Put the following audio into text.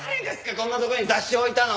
こんなとこに雑誌置いたの！